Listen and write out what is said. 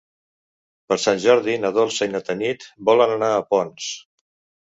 Per Sant Jordi na Dolça i na Tanit volen anar a Ponts.